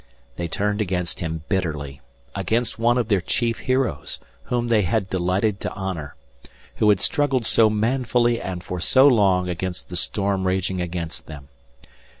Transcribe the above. They turned against him bitterly against one of their chief heroes, whom they had delighted to honor who had struggled so manfully and for so long against the storm raging against them.